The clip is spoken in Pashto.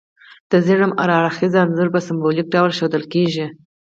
د ظلم هر اړخیز انځور په سمبولیک ډول ښودل کیږي.